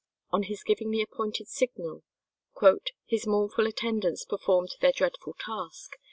On his giving the appointed signal, "his mournful attendants performed their dreadful task.